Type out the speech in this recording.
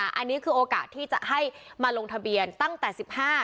อันนี้คือโอกาสที่จะให้มาลงทะเบียนตั้งแต่๑๕